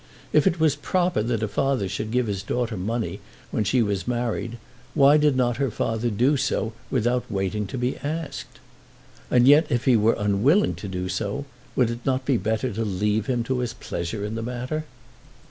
If it was proper that a father should give his daughter money when she was married, why did not her father do so without waiting to be asked? And yet, if he were unwilling to do so, would it not be better to leave him to his pleasure in the matter?